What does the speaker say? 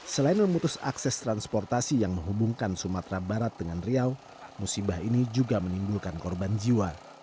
selain memutus akses transportasi yang menghubungkan sumatera barat dengan riau musibah ini juga menimbulkan korban jiwa